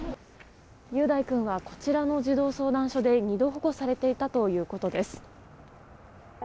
雄大君はこちらの児童相談所で２度保護されていたということです。